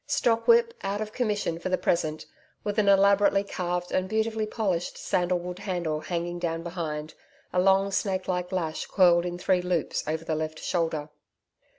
Stockwhip, out of commission for the present, with an elaborately carved and beautifully polished sandal wood handle hanging down behind, a long snake like lash coiled in three loops over the left shoulder.